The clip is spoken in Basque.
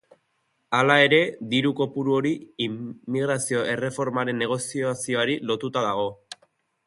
Hala ere, diru-kopuru hori immigrazio erreformaren negoziazioari lotuta dago.